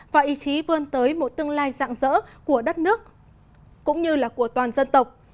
và ý chí vươn tới một tương lai dạng dỡ của đất nước cũng như là của toàn dân tộc